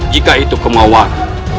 jika itu kemauan